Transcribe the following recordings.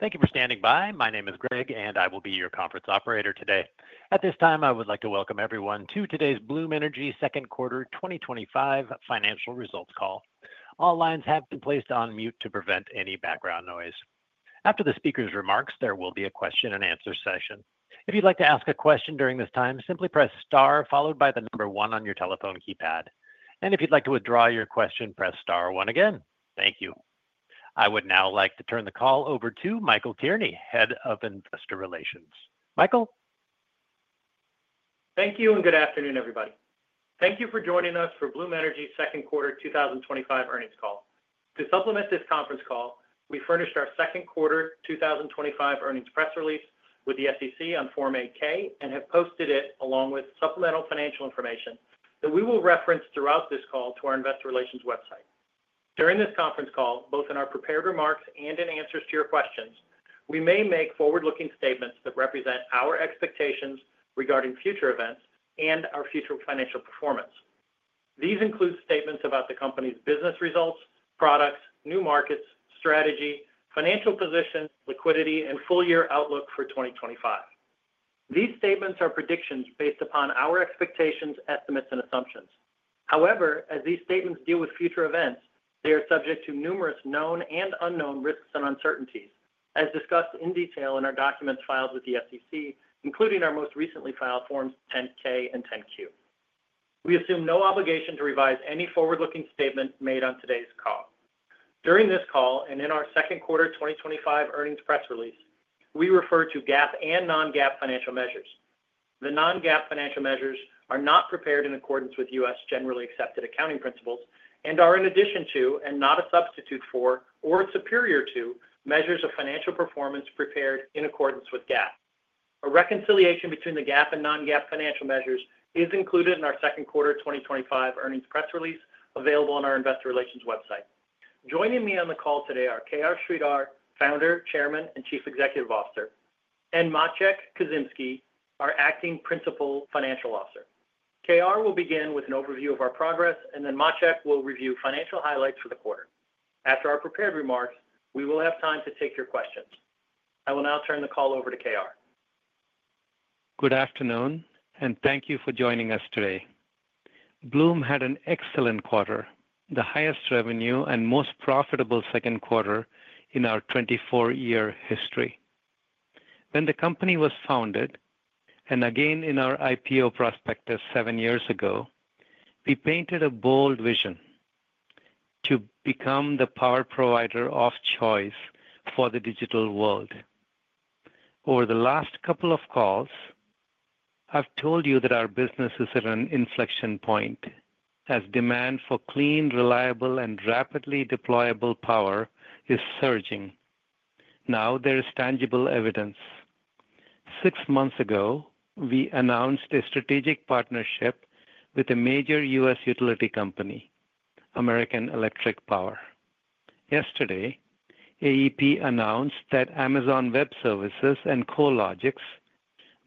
Thank you for standing by. My name is Greg and I will be your conference operator today. At this time, I would like to welcome everyone to today's Bloom Energy Second Quarter 2025 Financial Results Call. All lines have been placed on mute to prevent any background noise. After the speaker's remarks, there will be a question and answer session. If you'd like to ask a question during this time, simply press star followed by the number one on your telephone keypad. If you'd like to withdraw your question, press star one again. Thank you. I would now like to turn the call over to Michael Tierney, Head of Investor Relations. Michael. Thank you and good afternoon everybody. Thank you for joining us for Bloom Energy Second Quarter 2025 Earnings Call. To supplement this conference call, we furnished our second quarter 2025 earnings press release with the SEC on Form 8-K and have posted it along with supplemental financial information that we will reference throughout this call to our Investor Relations website. During this conference call, both in our prepared remarks and in answers to your questions, we may make forward-looking statements that represent our expectations regarding future events and our future financial performance. These include statements about the company's business results, products, new markets, strategy, financial position, liquidity, and full year outlook for 2025. These statements are predictions based upon our expectations, estimates, and assumptions. However, as these statements deal with future events, they are subject to numerous known and unknown risks and uncertainties, as discussed in detail in our documents filed with the SEC, including our most recently filed Forms 10-K and 10-Q. We assume no obligation to revise any forward-looking statement made on today's call. During this call and in our second quarter 2025 earnings press release, we refer to GAAP and non-GAAP financial measures. The non-GAAP financial measures are not prepared in accordance with U.S. generally accepted accounting principles and are in addition to and not a substitute for or superior to measures of financial performance prepared in accordance with GAAP. A reconciliation between the GAAP and non-GAAP financial measures is included in our second quarter 2025 earnings press release available on our Investor Relations website. Joining me on the call today are KR Sridhar, Founder, Chairman, and Chief Executive Officer, and Maciej Kurzymski, our Acting Principal Financial Officer. KR will begin with an overview of our progress and then Maciej will review financial highlights for the quarter. After our prepared remarks, we will have time to take your questions. I will now turn the call over. Good afternoon and thank you for joining us today. Bloom had an excellent quarter, the highest revenue and most profitable second quarter in our 24 year history. When the company was founded and again in our IPO prospectus seven years ago, we painted a bold vision to become the power provider of choice for the digital world. Over the last couple of calls, I've told you that our business is at an inflection point as demand for clean, reliable, and rapidly deployable power is surging, Now there is tangible evidence. Six months ago we announced a strategic partnership with a major U.S. utility company, American Electric Power. Yesterday, AEP announced that Amazon Web Services and Coralogix,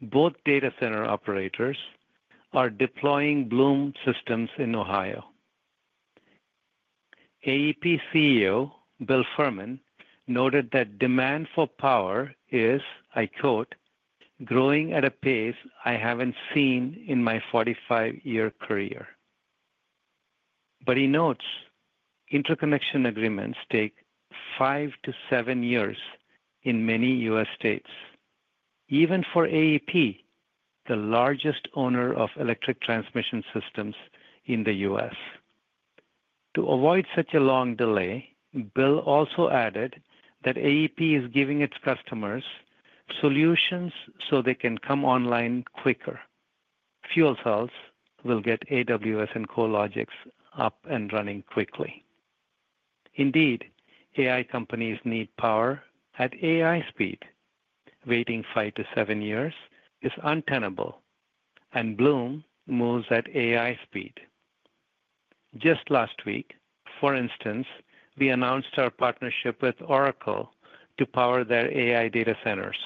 both data center operators, are deploying Bloom systems in Ohio. AEP's CEO, Bill Fehrman, noted that demand for power is, I quote, growing at a pace I haven't seen in my 45-year career. He notes, interconnection agreements take five to seven years in many U.S. states, even for AEP, the largest owner of electric transmission systems in the U.S. To avoid such a long delay, Bill also added that AEP is giving its customers solutions so they can come online quicker. Fuel cells will get AWS and Coralogix up and running quickly. Indeed, AI companies need power at AI speed. Waiting five to seven years is untenable and Bloom moves at AI speed. Just last week, for instance, we announced our partnership with Oracle to power their AI data centers.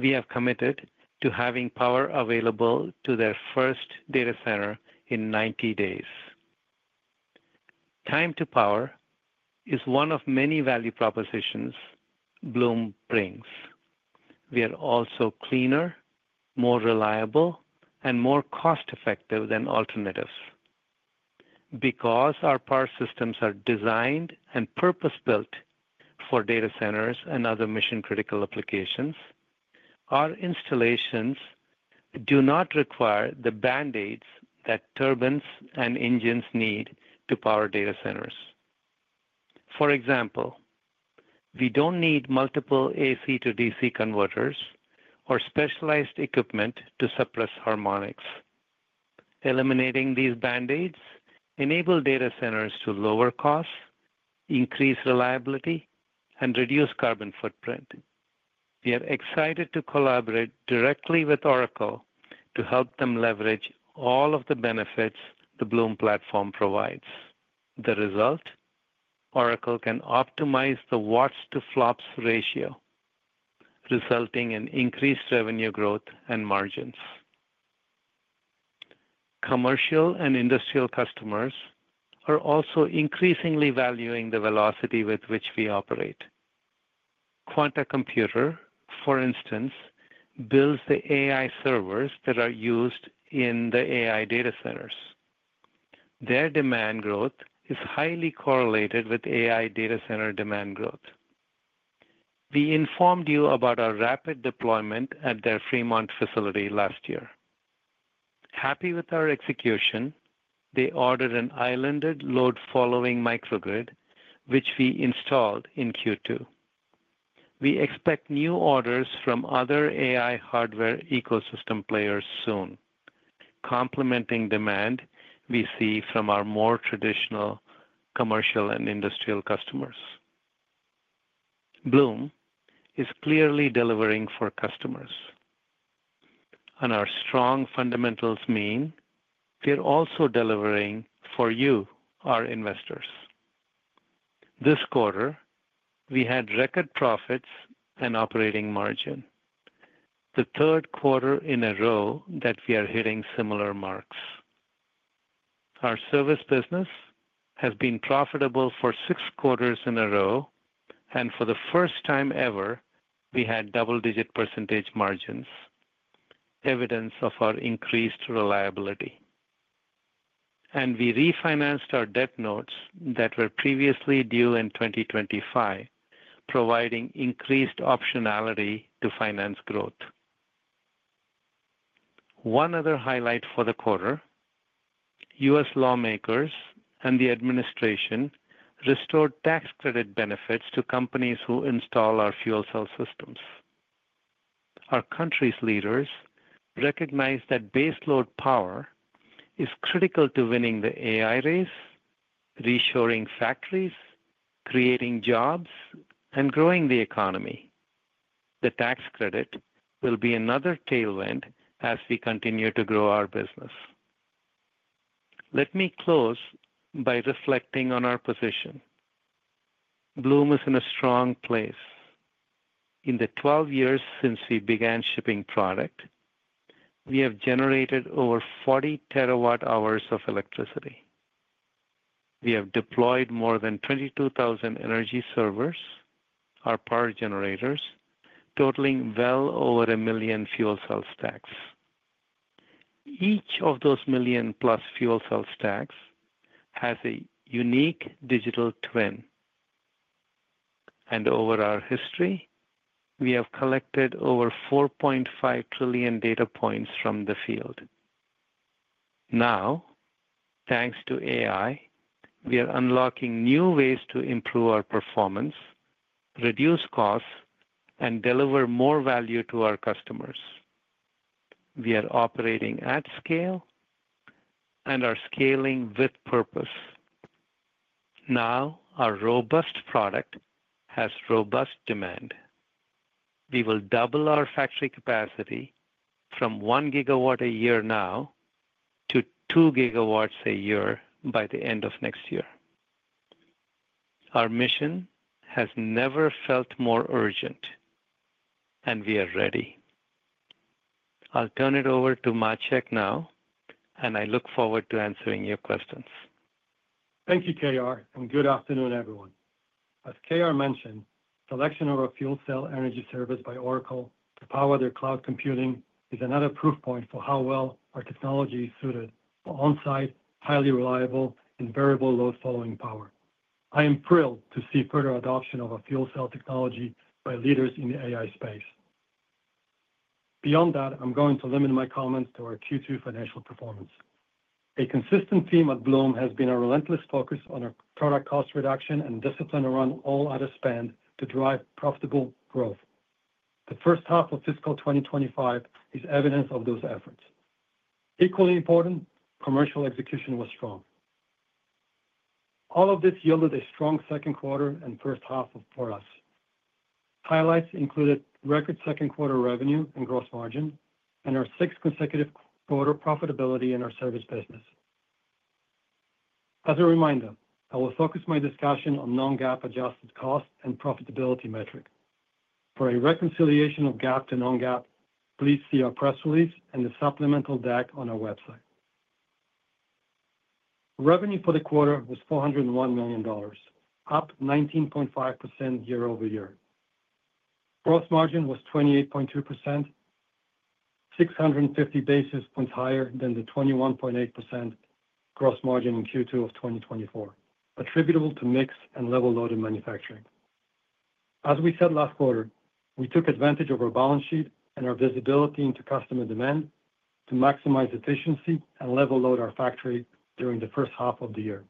We have committed to having power available to their first data center in 90 days. Time to power is one of many value propositions Bloom brings. We are also cleaner, more reliable, and more cost effective than alternatives. Because our power systems are designed and purpose built for data centers and other mission-critical applications, our installations do not require the band-aids that turbines and engines need to power data centers. For example, we don't need multiple AC to DC converters or specialized equipment to suppress harmonics. Eliminating these band-aids enables data centers to lower costs, increase reliability, and reduce carbon footprint. We are excited to collaborate directly with Oracle to help them leverage all of the benefits the Bloom platform provides. The result, Oracle can optimize the watts to-flops ratio, resulting in increased revenue growth and margins. Commercial and industrial customers are also increasingly valuing the velocity with which we operate. Quanta Computer, for instance, builds the AI servers that are used in the AI data centers. Their demand growth is highly correlated with AI data center demand growth. We informed you about our rapid deployment at their Fremont facility last year. Happy with our execution, they ordered an islanded load-following microgrid which we installed in Q2. We expect new orders from other AI hardware ecosystem players soon, complementing demand we see from our more traditional commercial and industrial customers. Bloom is clearly delivering for customers, and our strong fundamentals mean we are also delivering for you, our investors. This quarter we had record profits and operating margin, the third quarter in a row that we are hitting similar marks. Our service business has been profitable for six quarters in a row, and for the first time ever we had double-digit percentage margins, evidence of our increased reliability. We refinanced our convertible notes that were previously due in 2025, providing increased optionality to finance growth. One other highlight for the quarter, U.S. lawmakers and the administration restored tax credit benefits to companies who install our fuel cell systems. Our country's leaders recognize that baseload power is critical to winning the AI race, reshoring factories, creating jobs, and growing the economy. The tax credit will be another tailwind as we continue to grow our business. Let me close by reflecting on our position. Bloom is in a strong place. In the 12 years since we began shipping product, we have generated over 40 TW hours of electricity. We have deployed more than 22,000 Energy Servers, our power generators totaling well over a million fuel cell stacks. Each of those million-plus fuel cell stacks has a unique digital twin, and over our history we have collected over 4.5 trillion data points from the field. Now, thanks to AI, we are unlocking new ways to improve our performance, reduce costs, and deliver more value to our customers. We are operating at scale and are scaling with purpose. Now our robust product has robust demand. We will double our factory capacity from 1 GW a year now to 2 GW a year by the end of next year. Our mission has never felt more urgent, and we are ready. I'll turn it over to Maciej now, and I look forward to answering your questions. Thank you KR and good afternoon everyone. As KR mentioned, selection of our fuel cell energy service by Oracle to power their cloud computing is another proof point for how well our technology is suited for on-site, highly reliable and variable load-following power. I am thrilled to see further adoption of a fuel cell technology by leaders in the AI space. Beyond that, I'm going to limit my comments to our Q2 financial performance. A consistent theme at Bloom has been a relentless focus on product cost reduction and discipline around all other spend to drive profitable growth. The first half of fiscal 2025 is evidence of those efforts. Equally important, commercial execution was strong. All of this yielded a strong second quarter and first half for us. Highlights included record second quarter revenue and gross margin and our sixth consecutive quarter profitability in our service business. As a reminder, I will focus my discussion on non-GAAP adjusted cost and profitability metrics. For a reconciliation of GAAP to non-GAAP, please see our press release and the supplemental deck on our website. Revenue for the quarter was $401 million, up 19.5% year over year. Gross margin was 28.2%, 650 basis points higher than the 21.8% gross margin in Q2 of 2024 attributable to mix and level-loaded manufacturing. As we said last quarter, we took advantage of our balance sheet and our visibility into customer demand to maximize efficiency and level-load our factory during the first half of the year.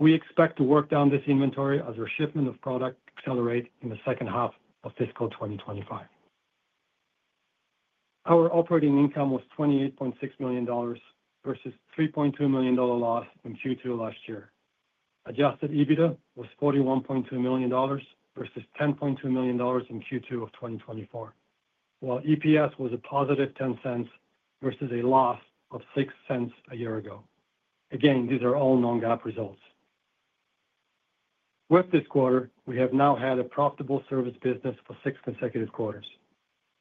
We expect to work down this inventory as our shipment of product accelerates in the second half of fiscal 2025. Our operating income was $28.6 million versus $3.2 million loss in Q2 last year. Adjusted EBITDA was $41.2 million versus $10.2 million in Q2 of 2024 while EPS was a positive $0.10 versus a loss of $0.06 a year ago. Again, these are all non-GAAP results. With this quarter, we have now had a profitable service business for six consecutive quarters.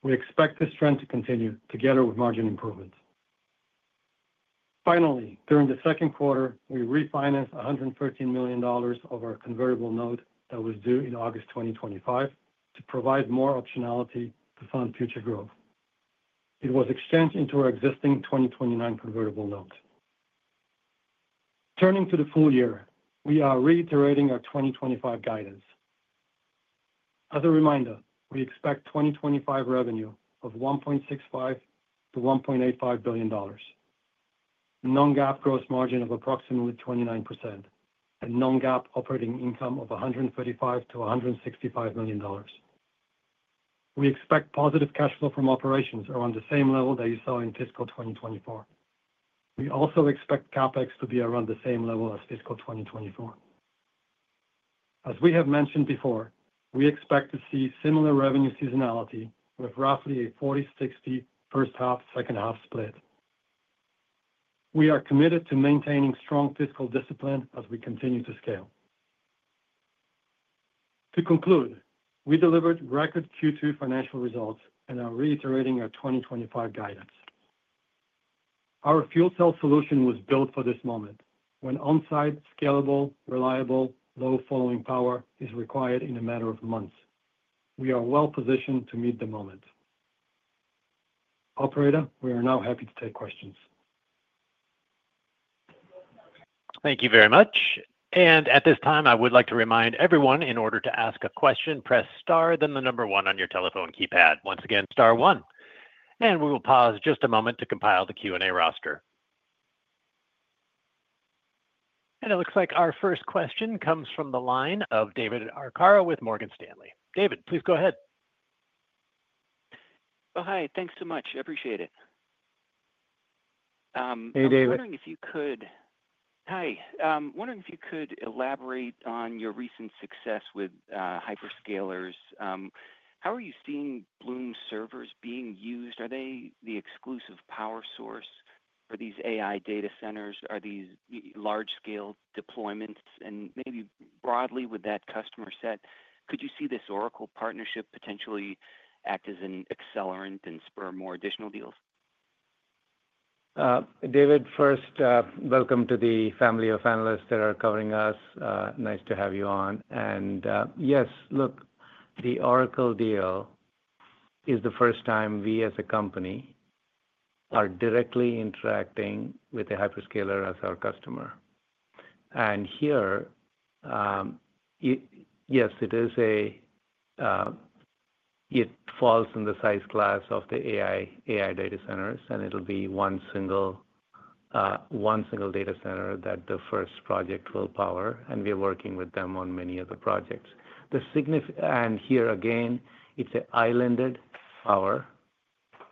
We expect this trend to continue together with margin improvement. Finally, during the second quarter we refinanced $113 million of our convertible notes that was due in August 2025. To provide more optionality to fund future growth, it was exchanged into our existing 2029 convertible notes. Turning to the full year, we are reiterating our 2025 guidance. As a reminder, we expect 2025 revenue of $1.65 million-$1.85 billion, non-GAAP gross margin of approximately 29% and non-GAAP operating income of $135 million-$165 million. We expect positive cash flow from operations around the same level that you saw in fiscal 2024. We also expect CapEx to be around the same level as fiscal 2024. As we have mentioned before, we expect to see similar revenue seasonality with roughly a 40, 60 first half second half split. We are committed to maintaining strong fiscal discipline as we continue to scale. To conclude, we delivered record Q2 financial results and are reiterating our 2025 guidance. Our fuel cell solution was built for this moment when on-site, scalable, reliable, load-following power is required in a matter of months. We are well positioned to meet the moment. Operator, we are now happy to take questions. Thank you very much. At this time, I would like to remind everyone in order to ask a question, press star then the number one on your telephone keypad. Once again, star one. We will pause just a moment to compile the Q&A roster. It looks like our first question comes from the line of David Arcaro with Morgan Stanley. David, please go ahead. Oh, hi. Thanks so much. I appreciate it. Hey David. I was wondering if you could. Hi. Wondering if you could elaborate on your recent success with hyperscalers. How are you seeing Bloom servers being used? Are they the exclusive power source? Are these AI data centers? Are these large scale deployments? Broadly with that customer set, could you see this Oracle partnership potentially act as an accelerant and spur more additional deals? David, first, welcome to the family of analysts that are covering us. Nice to have you on. Yes, look, the Oracle deal is the first time we as a company are directly interacting with a hyperscaler as our customer. Here. Yes, it is. It falls in the size class of the AI data centers, and it will be one single data center that the first project will power. We are working with them on it. Many of the projects, the significant. Here again, it's an islanded power.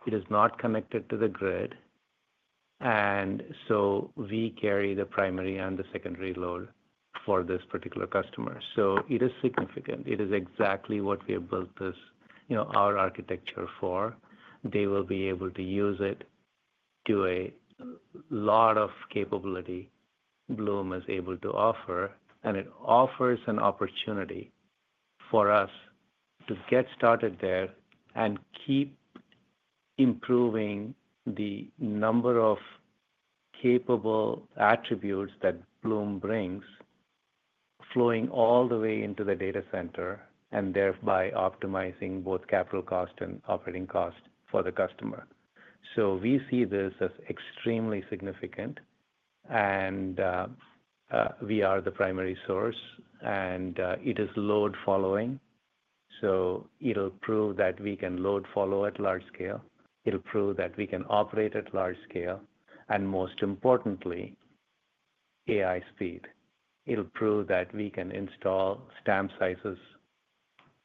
It is not connected to the grid, and we carry the primary and the secondary load for this particular customer. It is significant. It is exactly what we have built this, you know, our architecture for. They will be able to use it to a lot of capability Bloom is able to offer. It offers an opportunity for us to get started there and keep improving the number of capable attributes that Bloom brings flowing all the way into the data center and thereby optimizing both capital cost and operating cost for the customer. We see this as extremely significant, and we are the primary source, and it is load following. It'll prove that we can load follow at large scale, it'll prove that we can operate at large scale, and most importantly, AI speed. It'll prove that we can install stamp sizes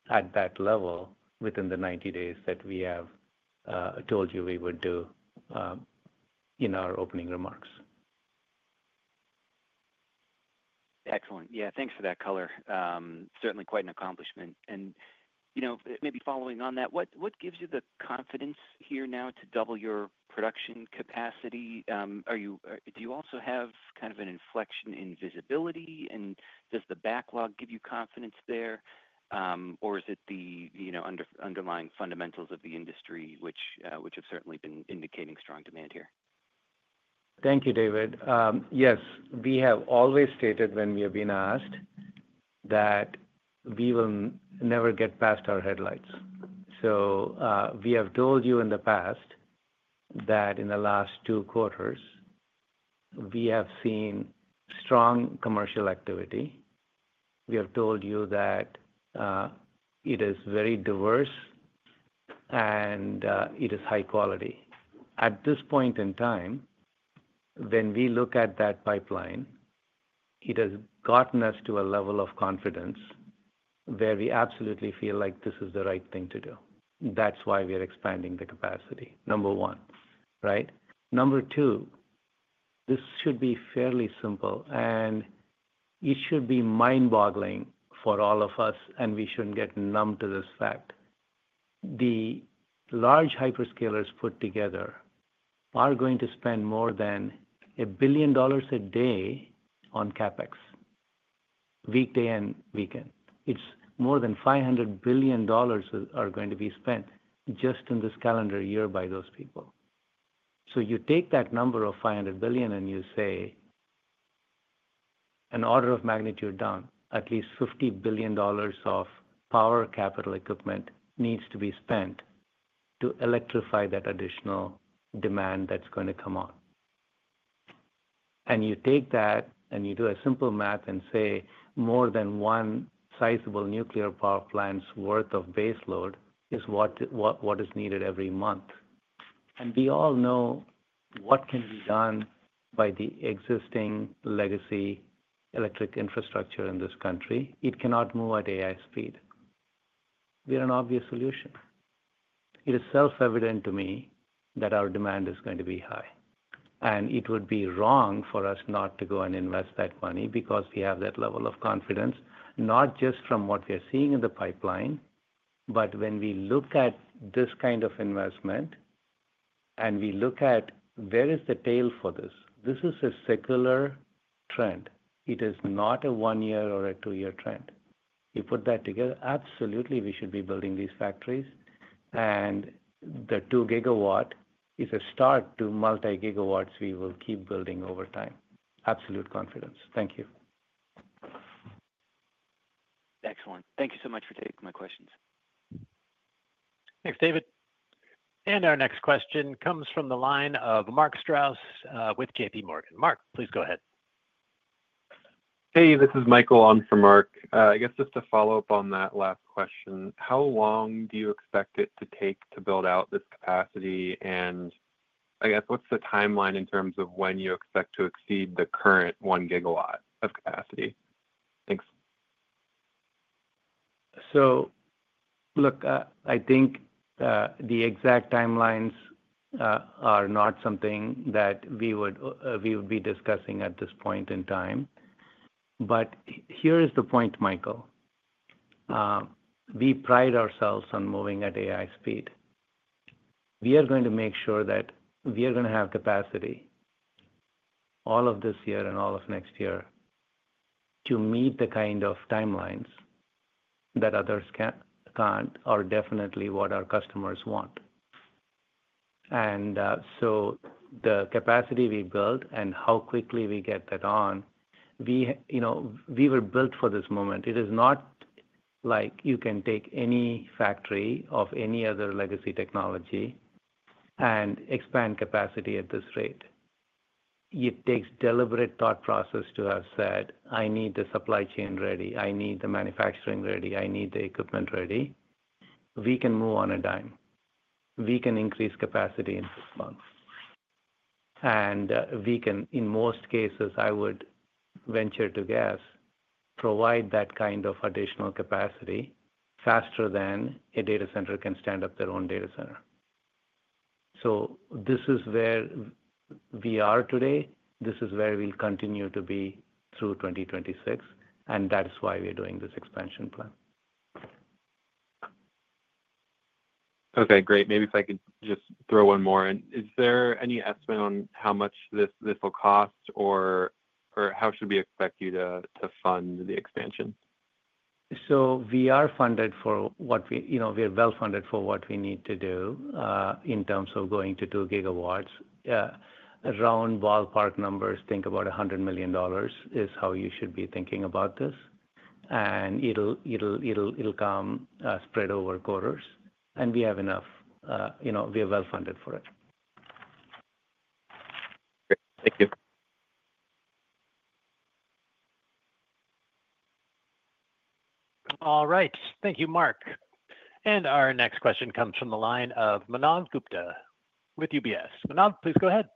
at that level within the 90 days that we have told you we would do in our opening remarks. Excellent. Yeah, thanks for that color. Certainly quite an accomplishment. Maybe following on that, what gives you the confidence here now to double your production capacity? Are you, do you also have kind of an inflection in visibility and does the backlog give you confidence there, or is it the underlying fundamentals of the industry which have certainly been indicating strong demand here? Thank you, David. Yes, we have always stated when we have been asked that we will never get past our headlights. We have told you in the past that in the last two quarters we have seen strong commercial activity. We have told you that it is very diverse and it is high quality at this point in time. When we look at that pipeline, it has gotten us to a level of confidence where we absolutely feel like this is the right thing to do. That's why we are expanding the capacity, number one, right. Number two, this should be fairly simple and it should be mind boggling for all of us. We shouldn't get numb to this fact. The large hyperscalers put together are going to spend more than $1 billion a day on CapEx, weekday and weekend. It's more than $500 billion are going to be spent just in this calendar year by those people. You take that number of $500 billion and you say an order of magnitude down, at least $50 billion of power capital equipment needs to be spent to electrify that additional demand that's going to come on. You take that and you do a simple math and say more than one sizable nuclear power plant's worth of baseload is what is needed every month. We all know what can be done by the existing legacy electric infrastructure in this country. It cannot move at AI speed. We are an obvious solution. It is self-evident to me that our demand is going to be high and it would be wrong for us not to go and invest that money because we have that level of confidence not just from what we are seeing in the pipeline but when we look at this kind of investment and we look at where is the tail for this. This is a secular trend. It is not a one year or a two year trend. You put that together. Absolutely, we should be building these factories and the 2 GW is a start to multi-gigawatts. We will keep building over time, absolute confidence. Thank you. Excellent. Thank you so much for taking my questions. Thanks, David. Our next question comes from the line of Mark Strauss with JPMorgan. Mark, please go ahead. Hey, this is Michael on for Mark. I guess just to follow up on that last question. How long do you expect it to take to build out this capacity? I guess what's the timeline in terms of when you expect to exceed the current 1 GW of capacity? Thanks. I think the exact timelines are not something that we would be discussing at this point in time. Here is the point, Michael. We pride ourselves on moving at AI speed. We are going to make sure that we are going to have capacity all of this year and all of next year to meet the kind of timelines that others can't, can't or definitely what our customers want. The capacity we build and how quickly we get that on. We were built for this moment. It is not like you can take any factory of any other legacy technology and expand capacity at this rate. It takes deliberate thought process to have said, I need the supply chain ready, I need the manufacturing ready, I need the equipment ready. We can move on a dime. We can increase capacity in six months and we can, in most cases, I would venture to guess, provide that kind of additional capacity faster than a data center can stand up their own data center. This is where we are today. This is where we'll continue to be through 2026. That's why we're doing this expansion plan. Okay, great. Maybe if I could just throw one more. Is there any estimate on how much this will cost, or how should we expect you to fund the expansion? We are well funded for what we need to do in terms of going to 2 GW around ballpark numbers. Think about $100 million is how you should be thinking about this. It'll come spread over quarters and we are well funded for it. All right, thank you, Mark. Our next question comes from the line of Manav Gupta with UBS. Manav, please go ahead.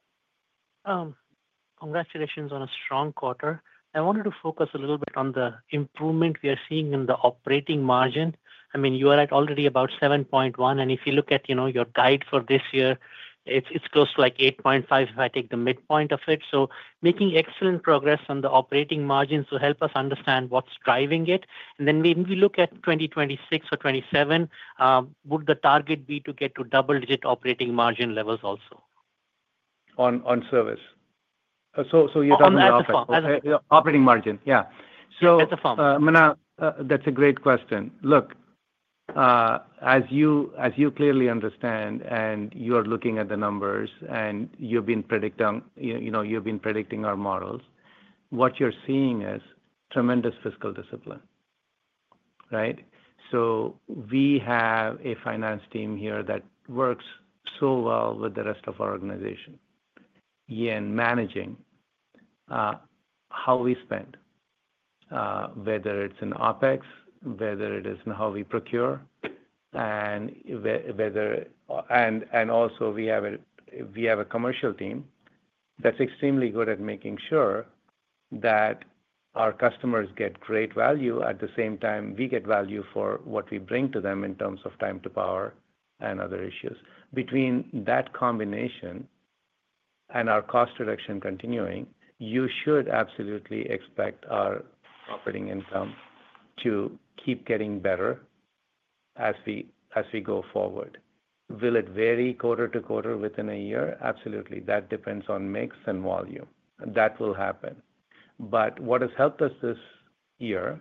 Congratulations on a strong quarter. I wanted to focus a little bit. On the improvement we are seeing in the operating margin. I mean, you are at already about 7.1% and if you look at, you know, your guide for this year, it's close to like 8.5% if I take the midpoint of it. Making excellent progress on the operating margins to help us understand what's driving it. When we look at 2026 or 2027, would the target be to get to double-digit operating margin. Levels also On service? You're talking about operating margin. Yeah. That's a great question. As you clearly understand and you are looking at the numbers and you've been predicting our models, what you're seeing is tremendous fiscal discipline. We have a finance team here that works so well with the rest of our organization in managing how we spend, whether it's in OpEx, whether it is in how we procure. Also, we have a commercial team that's extremely good at making sure that our customers get great value at the same time we get value for what we bring to them in terms of time to power and other issues. Between that combination and our cost reduction continuing, you should absolutely expect our operating income to keep getting better as we go forward. Will it vary quarter to quarter within a year? Absolutely. That depends on mix and volume that will happen. What has helped us this year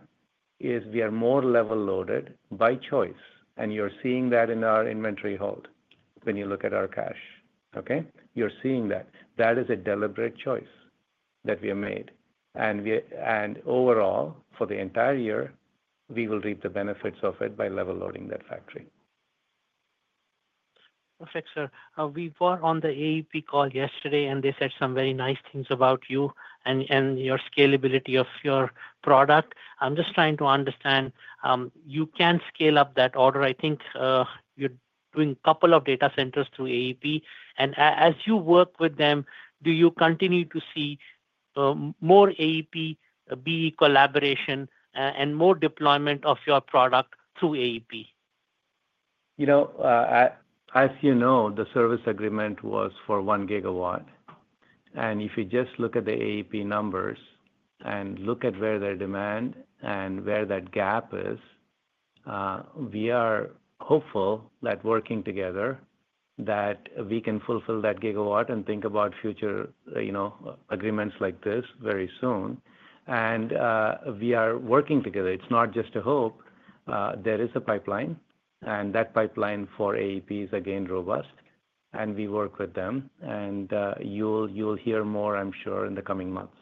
is we are more level loaded by choice. You're seeing that in our inventory hold when you look at our cash. You're seeing that is a deliberate choice that we have made. Overall, for the entire year, we will reap the benefits of it by level loading that factory. Perfect. Sir, we were on the AEP call yesterday and they said some very nice things about you and your scalability of your product. I'm just trying to understand you can scale up that order. I think you're doing a couple of data centers through AEP and as you work with them, do you continue to see more AEPr collaboration and more deployment of your product through AEP? As you know, the service agreement was for 1 GW. If you just look at the AEP numbers and look at where their demand and where that gap is, we are hopeful that working together we can fulfill that gigawatt and think about future agreements like this very soon. We are working together. It is not just a hope. There is a pipeline, and that pipeline for AEP is, again, robust. We work with them, and you'll hear more, I'm sure, in the coming months.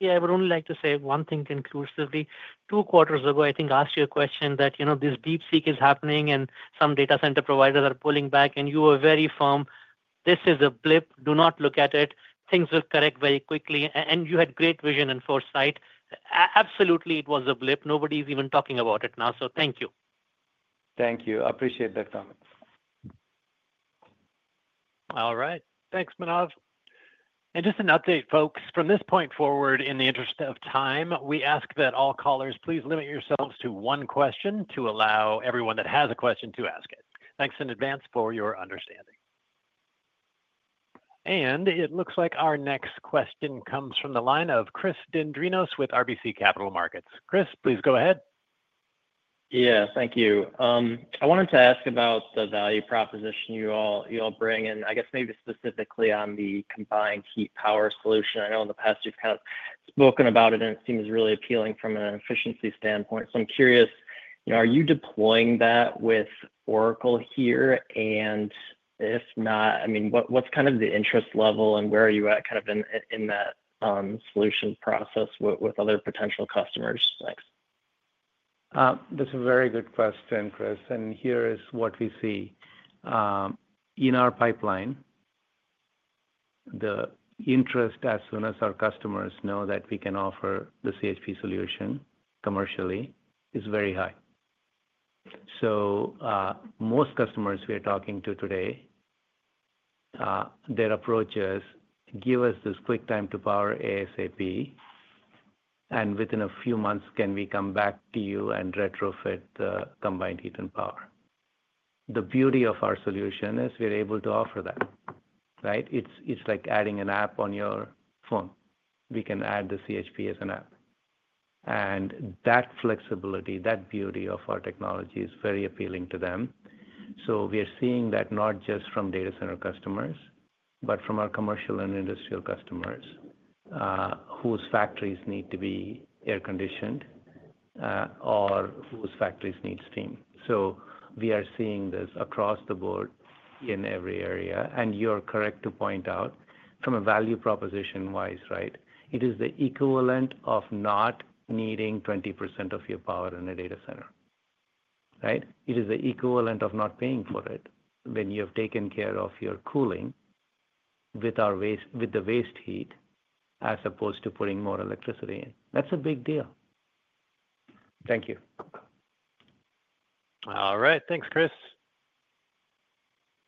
Yeah. I would only like to say one thing conclusively. Two quarters ago, I think, asked you a question that, you know, this DeepSeek is happening and some data center providers are pulling back. You are very firm. This is a blip. Do not look at it. Things will correct very quickly. You had great vision and foresight. Absolutely. It was a blip. Nobody's even talking about it now. Thank you. Thank you. I appreciate that comment. All right, thanks, Manav. Just an update, folks. From this point forward, in the interest of time, we ask that all callers please limit yourselves to one question to allow everyone that has a question to ask it. Thanks in advance for your understanding. It looks like our next question comes from the line of Chris Dendrinos with RBC Capital Markets. Chris, please go ahead. Thank you. I wanted to ask about the value proposition you all bring, and I guess maybe specifically on the combined heat power solution. I know in the past you've kind of spoken about it, and it seems really appealing from an efficiency standpoint. I'm curious, are you deploying that with Oracle here? If not, what's kind of the interest level, and where are you at in that solution process with other potential customers? Thanks. That's a very good question, Chris. Here is what we see in our Pipeline. The interest, as soon as our customers know that we can offer the CHP solution commercially, is very high. Most customers we are talking to today, their approach is give us this quick time to power ASAP and within a few months can we come back to you and retrofit the combined heat and power. The beauty of our solution is we're able to offer that. It's like adding an app on your phone. We can add the CHP as an app, and that flexibility, that beauty of our technology, is very appealing to them. We are seeing that not just from data center customers, but from our commercial and industrial customers whose factories need to be air conditioned or whose factories need steam. We are seeing this across the board in every area. You are correct to point out from a value proposition wise, it is the equivalent of not needing 20% of your power in a data center. It is the equivalent of not paying for it when you have taken care of your cooling with our waste, with the waste heat as opposed to putting more electricity in. That's a big deal. Thank you. All right, thanks, Chris.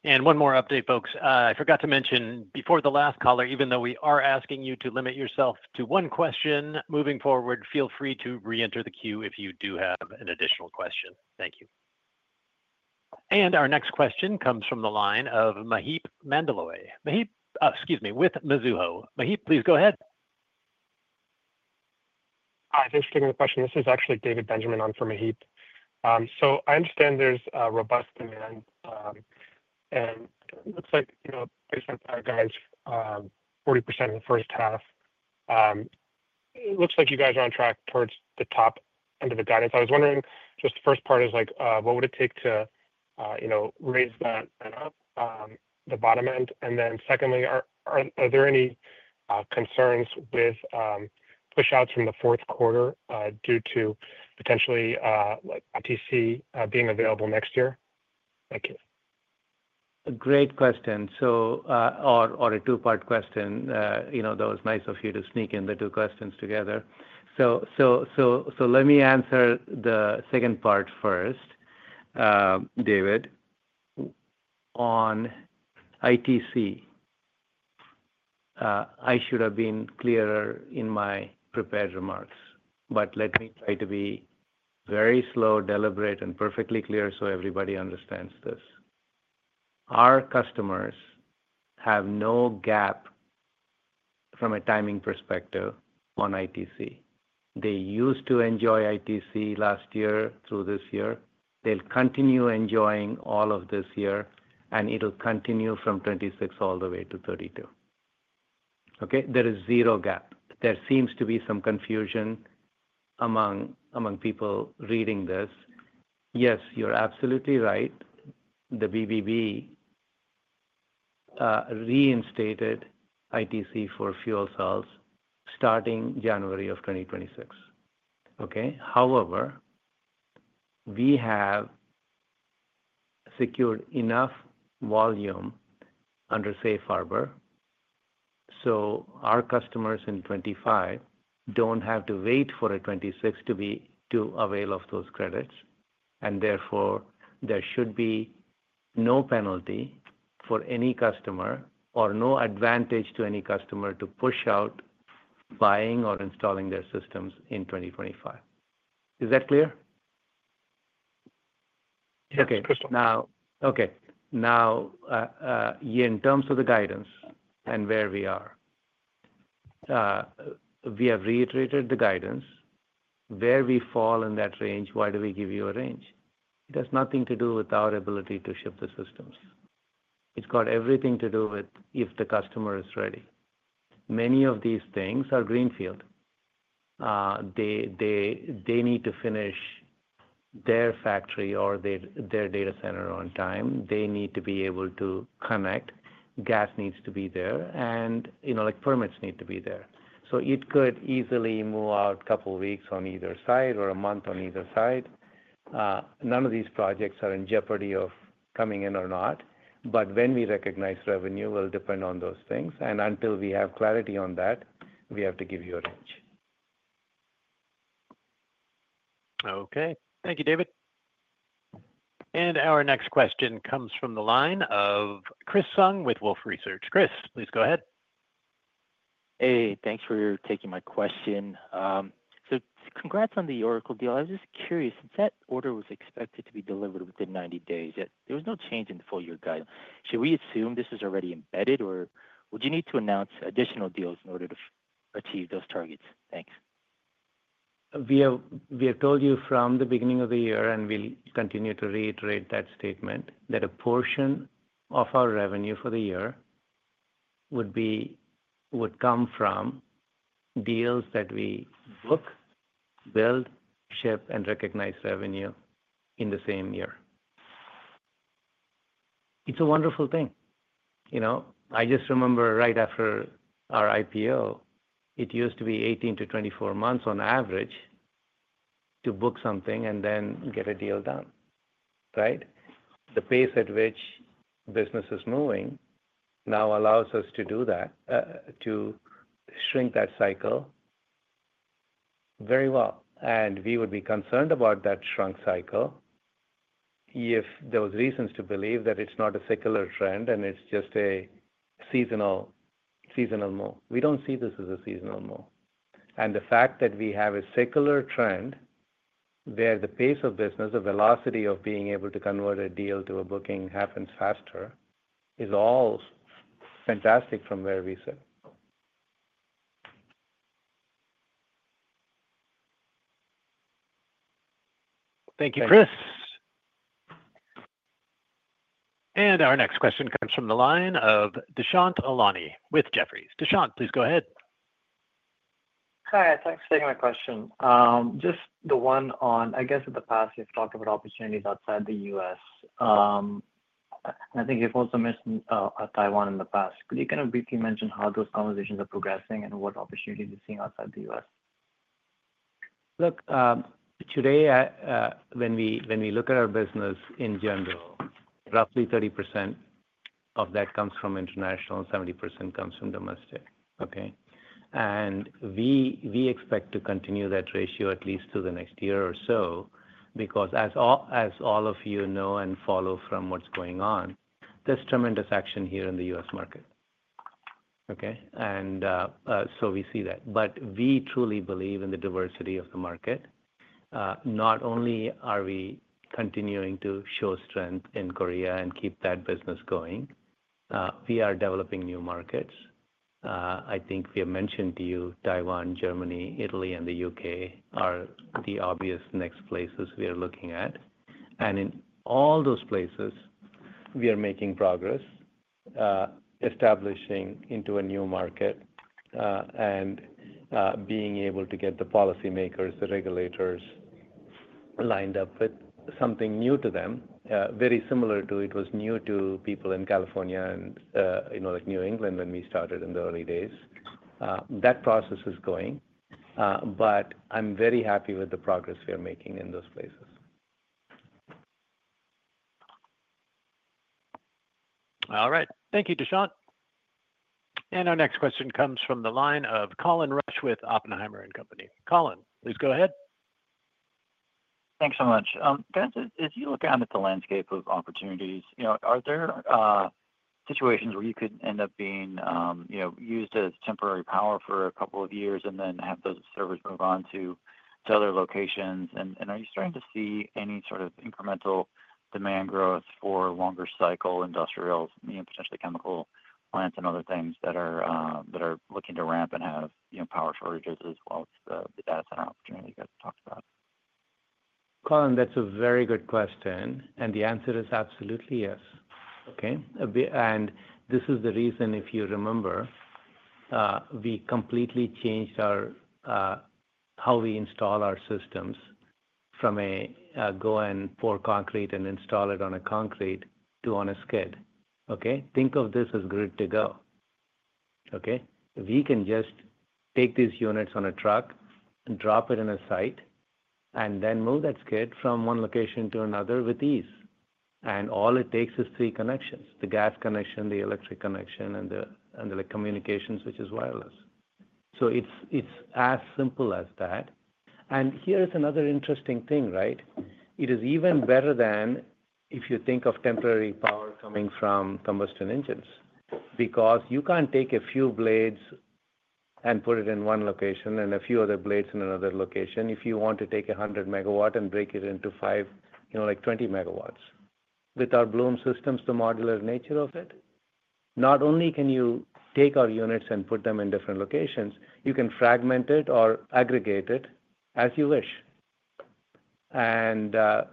One more update folks, I forgot to mention before the last caller, even though we are asking you to limit yourself to one question moving forward, feel free to re-enter the queue if you do have an additional question. Thank you. Our next question comes from the line of Maheep Mandloi with Mizuho. Please go ahead. Hi, thanks for taking the question. This is actually David Benjamin on from Maheep. I understand there's robust demand and looks like, you know, based on guidance, 40% in the first half. It looks like you guys are on track towards the top end of the guidance. I was wondering just the first part, what would it take to? You know, raise that up the bottom end? Secondly, are there any concerns with push outs from the fourth quarter due to potentially ITC being available next year? Thank you. Great question. That was nice of you to sneak in the two questions together. Let me answer the second part first. David, on ITC, I should have been clearer in my prepared remarks, but let me try to be very slow, deliberate, and perfectly clear so everybody understands this. Our customers have no gap from a timing perspective on ITC. They used to enjoy ITC last year through this year. They'll continue enjoying all of this year, and it'll continue from 2026 all the way to 2032. There is zero gap. There seems to be some confusion among people reading this. Yes, you're absolutely right. The BBB reinstated ITC for fuel cells starting January of 2026. However, we have secured enough volume under safe harbor so our customers in 2025 don't have to wait for 2026 to be able to avail of those credits. Therefore, there should be no penalty for any customer or no advantage to any customer to push out buying or installing their systems in 2025. Is that clear? Now, in terms of the guidance and where we are, we have reiterated the guidance. Where we fall in that range, why do we give you a range? It has nothing to do with our ability to ship the systems. It's got everything to do with if the customer is ready. Many of these things are greenfield. They need to finish their factory or their data center on time. They need to be able to connect. Gas needs to be there, and permits need to be there. It could easily move out a couple weeks on either side or a month on either side. None of these projects are in jeopardy of coming in or not, but when we recognize revenue will depend on those things, and until we have clarity on that, we have to give you a range. Okay, thank you, David. Our next question comes from the line of Chris Sung with Wolfe Research. Chris, please go ahead. Hey, thanks for taking my question. Congrats on the Oracle deal. I was just curious. Order was expected to be delivered within 90 days, yet there was no change in the full year guideline. Should we assume this is already embedded or would you need to announce additional deals in order to achieve those targets? Thanks. We have told you from the beginning of the year and we'll continue to reiterate that statement that a portion of our revenue for the year would come from deals that we book, build, ship, and recognize revenue in the same year. It's a wonderful thing. I just remember right after our IPO, it used to be 18 to 24 months on average to book something and then get a deal done. The pace at which business is moving now allows us to do that, to shrink that cycle very well. We would be concerned about that Shrunk cycle if there was reasons to believe that it's not a secular trend. It is just a seasonal move. We don't see this as a seasonal move. The fact that we have a secular trend there, the pace of business, the velocity of being able to convert a deal to a booking happens faster, is all fantastic from where we sit. Thank you, Chris. Our next question comes from the line of Dushyant Ailani with Jefferies. Dushyant, please go ahead. Hi, thanks for taking my question. Just the one on. I guess in the past you've talked about opportunities outside the U.S. I think you've also mentioned Taiwan in the past. Could you kind of briefly mention how those conversations are progressing and what opportunities. You're seeing outside the U.S. Look, today when we look at our business in general, roughly 30% of that comes from international and 70% comes from domestic. We expect to continue that ratio at least through the next year or so because, as all of you know and follow from what's going on, there's tremendous action here in the U.S. market. Okay. We see that, and we truly believe in the diversity of the market. Not only are we continuing to show strength in Korea and keep that business going, we are developing new markets. I think we have mentioned to you, Taiwan, Germany, Italy, and the UK are the obvious next places we are looking at. In all those places we are. Making progress, establishing into a new market being able to get the policymakers, the regulators lined up with something new to them is very similar to how it was new to people in California and, you know, like New England when we started in the early days. That process is going. I'm very happy with the progress we are making in those places. All right, thank you, Dushyant. Our next question comes from the line of Colin Rusch with Oppenheimer & Company. Colin, please go ahead. Thanks so much, guys. As you look out at the landscape of opportunities, are there situations where you could end up being used as temporary power for a couple of years and then have those servers move on to other locations? Are you starting to see any sort of incremental demand growth for longer cycle industrials, potentially chemical plants and other things that are looking to ramp and have power shortages as well as the data center opportunity you guys talked about? Colin, that's a very good question and the answer is absolutely yes. This is the reason, if you remember, we completely changed how we install our systems from a go and pour concrete and install it on a concrete to on a skid. Think of this as grid to go. We can just take these units on a truck, drop it in a site, and then move that skid from one location to another with ease. All it takes is three connections: the gas connection, the electric connection, and the communications, which is wireless. It's as simple as that. Here is another interesting thing, right? It is even better than if you think of temporary power coming from combustion engines, because you can't take a few blades and put it in one location and a few other blades in another location. If you want to take 100 MW and break it into five, you know, like 20 MW, with our Bloom systems, the modular nature of it, not only can you take our units and put them in different locations, you can fragment it or aggregate it as you wish. It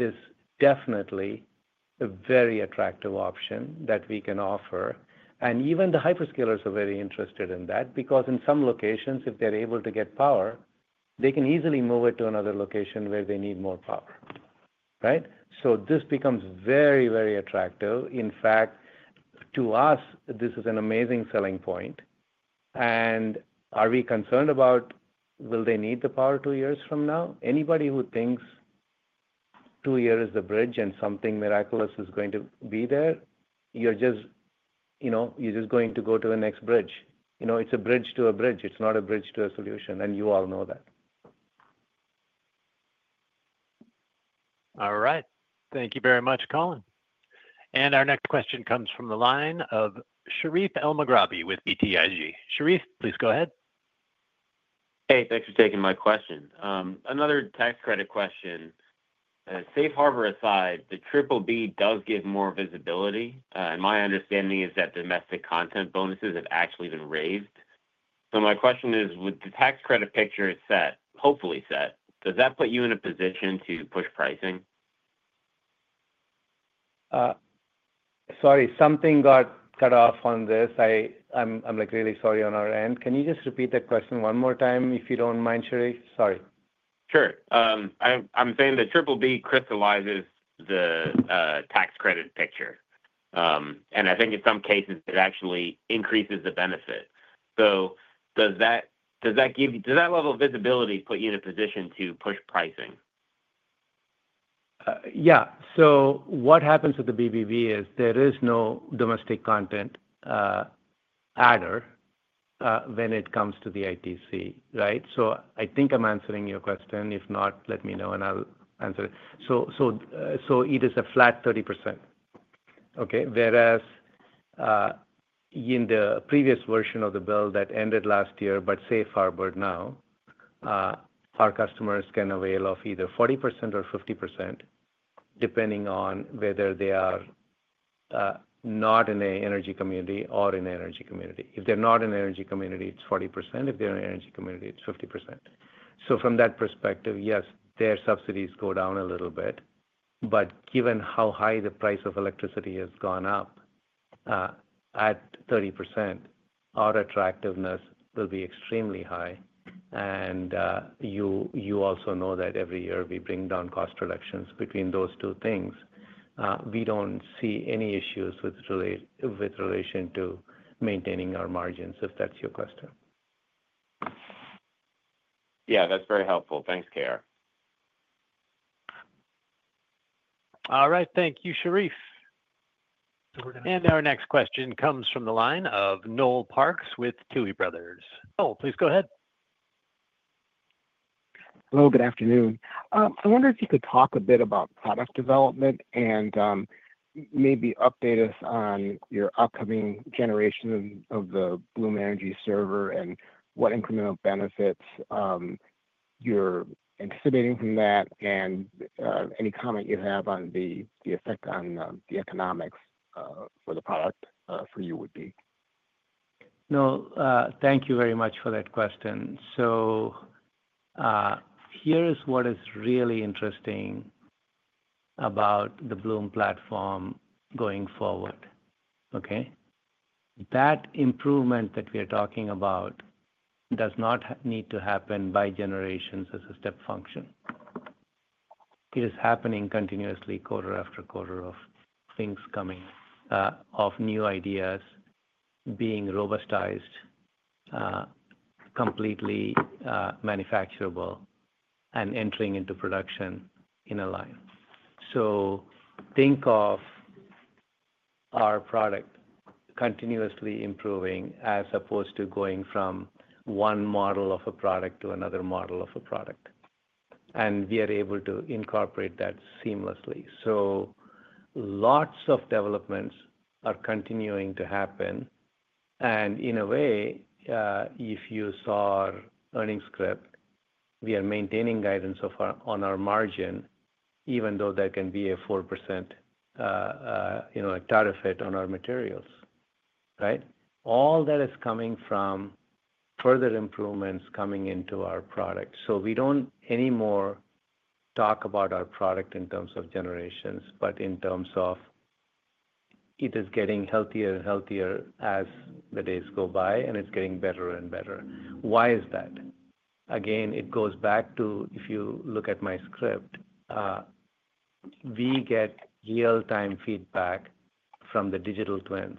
is definitely a very attractive option that we can offer. Even the hyperscalers are very interested in that because in some locations, if they're able to get power, they can easily move it to another location where they need more power. This becomes very, very attractive. In fact, to us, this is an amazing selling point. Are we concerned about will they need the power two years from now? Anybody who thinks two years is the bridge and something miraculous is going to be there, you're just, you know, you're just going to go to the next bridge. It's a bridge to a bridge. It's not a bridge to a solution, and you all know that. All right, thank you very much, Colin. Our next question comes from the line of Sherif Elmaghrabi with BTIG. Sherif, please go ahead. Hey, thanks for taking my question. Another tax credit question, safe harbor aside, the Triple B does give more visibility and my understanding is that domestic content bonuses have actually been raised. My question is, with the tax credit picture set, hopefully set, does that. Put you in a position to push pricing? Sorry, something got cut off on this. I'm really sorry on our end. Can you just repeat that question one more time if you don't mind, Sherif? Sorry. Sure. I'm saying that Triple B crystallizes the tax credit picture, and I think in some cases it actually increases the benefit. Does that level of visibility put you in a position to push pricing? Yeah. What happens with the BBB is there is no domestic content adder when it comes to the ITC, right. I think I'm answering your question. If not, let me know and I'll. It is a flat 30%. Okay. Whereas in the previous version of the bill that ended last year, our customers can avail of either 40% or 50%, depending on whether they are not in an energy community or in an energy community. If they're not in an energy community, it's 40%. If they're in an energy community, it's 50%. From that perspective, yes, their subsidies go down a little bit, but given how high the price of electricity has gone up at 30%, our attractiveness will be extremely high. You also know that every year we bring down cost reductions. Between those two things, we don't see any issues with relation to maintaining our margins, if that's your question. Yeah, that's very helpful. Thanks, KR. All right, thank you, Sherif. Our next question comes from the line of Noel Parks with Tuohy Brothers. Noel, please go ahead. Hello, good afternoon. I wonder if you could talk bit about product development and maybe update us on your upcoming generation of the. Bloom Energy Server and what incremental benefits you're anticipating from that. Any comment you have on the effect on the economics for the product for you would be? No, thank you very much for that question. Here is what is really interesting about the Bloom platform going forward. That improvement that we are talking about does not need to happen by generations as a step function. It is happening continuously, quarter after quarter of things coming, of new ideas being robustized, completely manufacturable and entering into production in a line. Think of our product continuously improving as opposed to going from one model of a product to another model of a product. We are able to incorporate that seamlessly. Lots of developments are continuing to happen. In a way, if you saw earnings script, we are maintaining guidance on our margin even though there can be a four percent tariff hit on our materials. All that is coming from further improvements coming into our product. We do not anymore talk about our product in terms of generations, but in terms of it is getting healthier and healthier as the days go by and it's getting better and better. Why is that? It goes back to, if you look at my script, we get real time feedback from the digital twins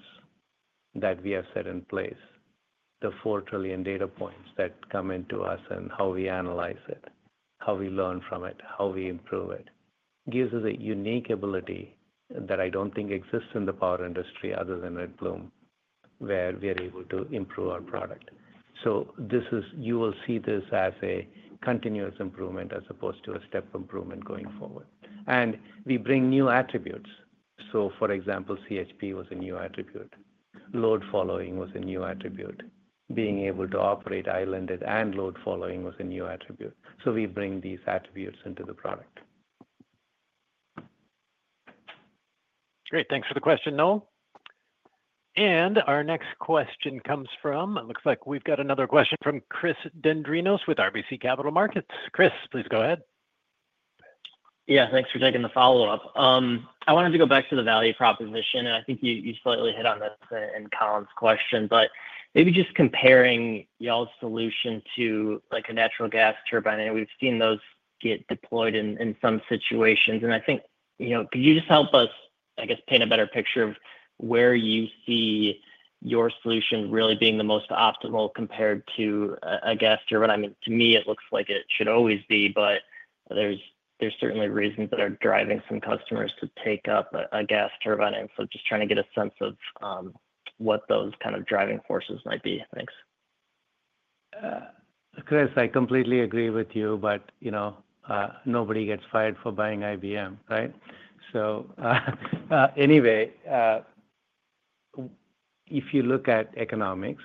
that we have set in place. The 4 trillion data points that come into us and how we analyze it, how we learn from it, how we improve it gives us a unique ability that I do not think exists in the power industry other than at Bloom, where we are able to improve our product. You will see this as a continuous improvement as opposed to a step improvement going forward. We bring new attributes. For example, CHP was a new attribute, load following was a new attribute, being able to operate islanded and load following was a new attribute. We bring these attributes into the product. Great, thanks for the question, Noel. Our next question comes from Chris Dendrinos with RBC Capital Markets. Chris, please go ahead. Yeah, thanks for taking the follow-up. I wanted to go back to the value proposition, and I think you slightly hit on this in Colin's question. Maybe just comparing y'all's solution to like a natural gas turbine. We've seen those get deployed in some situations, and I think, you know, could you just help us paint a better picture of where you see your solution really being the most optimal compared to a gas turbine? I mean, to me it looks like it should always be, but there are certainly reasons that are driving some customers to take up a gas turbine. Just trying to get a sense of what those kind of driving forces might be. Thanks. Chris, I completely agree with you, but you know, nobody gets fired for buying IBM, right? Anyway, if you look at economics,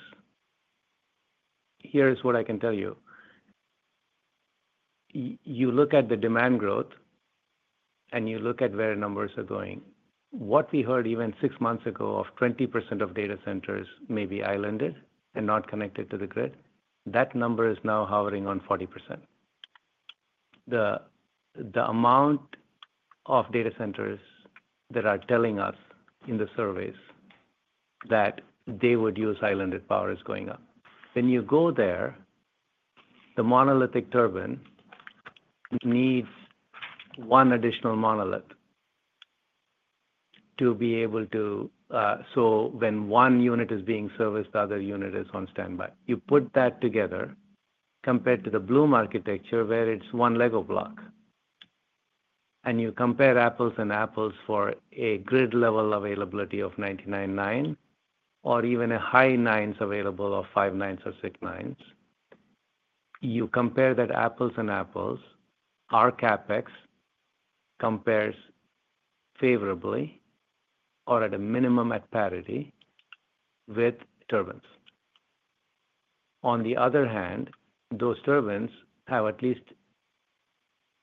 here is what I can tell you. You look at the demand growth and you look at where numbers are going. What we heard even six months ago of 20% of data centers may be islanded and not connected to the grid, that number is now hovering on 40%. The amount of data centers that are telling us in the surveys that they would use islanded power is going up when you go there. The monolithic turbine needs one additional monolith to be able to, so when one unit is being serviced, the other unit is on standby. You put that together compared to the Bloom architecture where it's one lego block and you compare apples and apples for a grid level availability of 999 or even a high nines available of 5, 9 or 6 nines. You compare that apples and apples. Our CapEx compares favorably or at a minimum at parity with turbines. On the other hand, those turbines have at least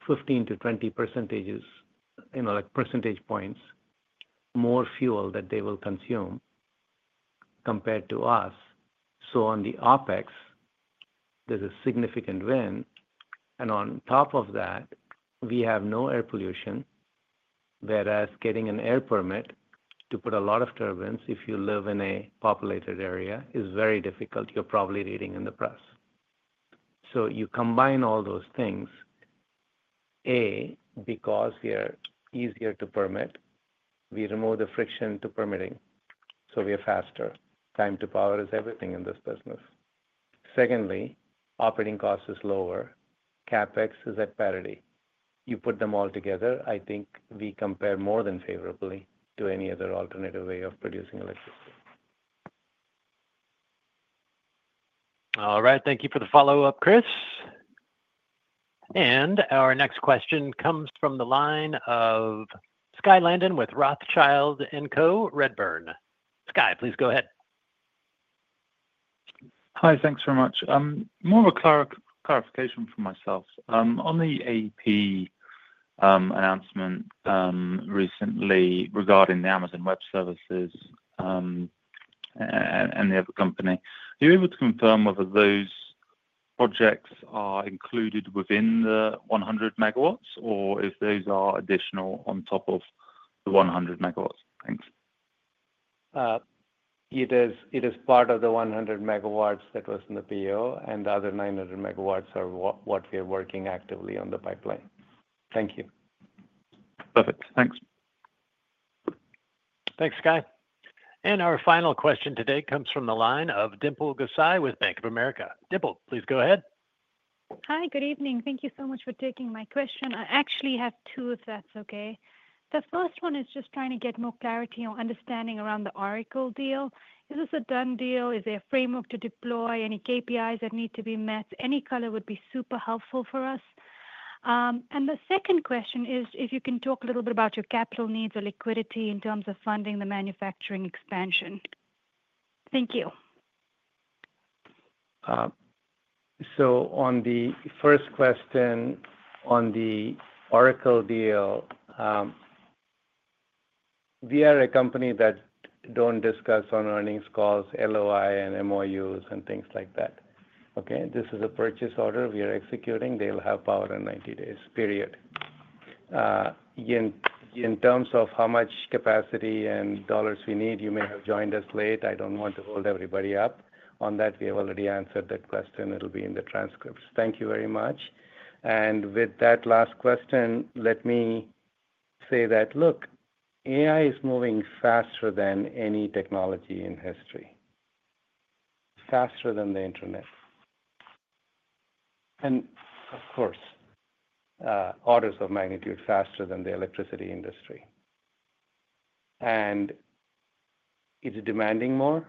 15- 20 percentage points more fuel that they will consume compared to us. On the OpEx there's a significant win. On top of that, we have no air pollution. Whereas getting an air permit to put a lot of turbines if you live in a populated area is very difficult. You're probably reading in the press. You combine all those things. Because we are easier to permit, we remove the friction to permitting so we are faster. Time to power is everything in this business. Secondly, operating cost is lower. CapEx is at parity. You put them all together. I think we compare more than favorably to any other alternative way of producing electricity. All right, thank you for the follow-up, Chris. Our next question comes from the line of Skye Landon with Rothschild & Co Redburn. Sky, please go ahead. Hi, thanks very much. More of a clarification for myself on the AEP announcement recently regarding the Amazon Web services. Are you able to confirm whether those projects are included within the 100 MW, or if those are additional on top of 100 MW? Thanks. It is. It is part of the 100 MW that was in the purchase order and the other 900 MW are what we are working actively on the pipeline. Thank you. Perfect. Thanks. Thanks Skye. Our final question today comes from the line of Dimple Gosai with Bank of America. Dimple, please go ahead. Hi, good evening. Thank you so much for taking my question. I actually have two if that's okay. The first one is just trying to get more clarity or understanding around the Oracle deal. Is this a done deal? Is there a framework to deploy, any KPIs that need to be met? Any color would be super helpful for us. The second question is if you can talk a little bit about your capital needs or liquidity in terms of funding the manufacturing expansion. Thank you. On the first question on the Oracle deal we are a company that don't discuss on earnings calls, LOI and MOUs and things like that. This is a purchase order we are executing. They will have power in 90 days period. In terms of how much capacity and dollars we need, you may have joined us late. I don't want to hold everybody up on that. We have already answered that question. It'll be in the transcripts. Thank you very much. With that last question, let me say that, look, AI is moving faster than any technology in history, faster than the Internet orders of magnitude. Faster than the electricity industry. It's demanding more,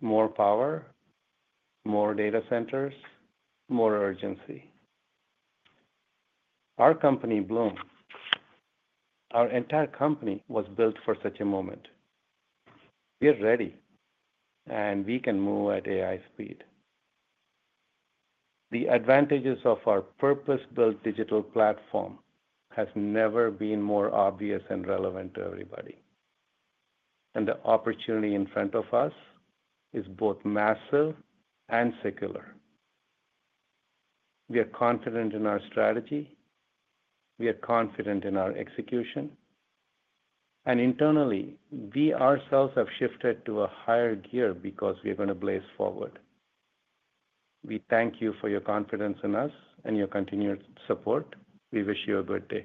more power, more data centers, more urgency. Our company, Bloom , our entire company was built for such a moment. We are ready and we can move at AI speed. The advantages of our purpose-built digital platform have never been more obvious and relevant to everybody. The opportunity in front of us is both massive and secular. We are confident in our strategy, we are confident in our execution. Internally, we ourselves have shifted to a higher gear because we are going to blaze forward. We thank you for your confidence in us and your continued support. We wish you a good day.